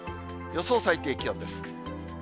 予想最低気温です。